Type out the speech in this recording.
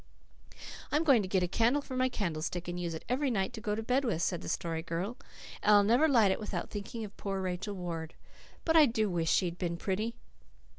"I'm going to get a candle for my candlestick, and use it every night to go to bed with," said the Story Girl. "And I'll never light it without thinking of poor Rachel Ward. But I DO wish she had been pretty."